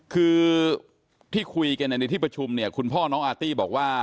คือที่คุยกันในที่ประชุมเนี่ยคุณพ่อน้องอาร์ตี้บอกว่า